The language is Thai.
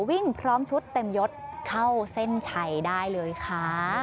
วิ่งพร้อมชุดเต็มยดเข้าเส้นชัยได้เลยค่ะ